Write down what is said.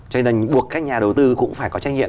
cho nên buộc các nhà đầu tư cũng phải có trách nhiệm